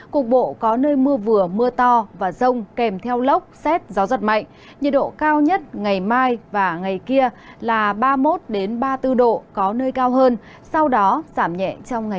cục bộ có nơi mưa vừa mưa to và rông kèm theo lốc xét gió giật mạnh nhiệt độ cao nhất ngày mai và ngày kia là ba mươi một ba mươi bốn độ có nơi cao hơn sau đó giảm nhẹ trong ngày